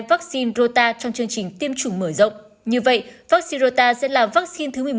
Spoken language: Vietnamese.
vaccine rota trong chương trình tiêm chủng mở rộng như vậy vaccine rota sẽ là vaccine thứ một mươi một